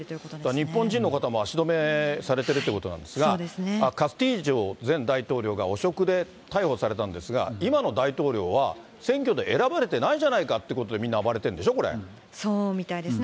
日本人の方も足止めされてるってことなんですが、カスティージョ前大統領が汚職で逮捕されたんですが、今の大統領は、選挙で選ばれてないんじゃないかということで、みんな、そうみたいですね。